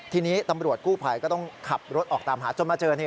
ทีนี้ตำรวจกู้ภัยก็ต้องขับรถออกตามหาจนมาเจอ